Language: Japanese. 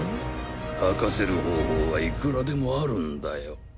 吐かせる方法はいくらでもあるんだよ。